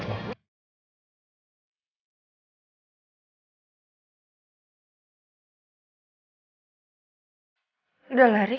jadi gue gak bisa selalu melupakan lo sa